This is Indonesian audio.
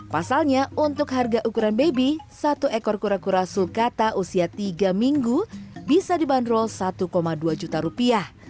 pasalnya untuk harga ukuran baby satu ekor kura kura sulkata usia tiga minggu bisa dibanderol satu dua juta rupiah